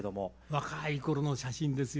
若い頃の写真ですよね。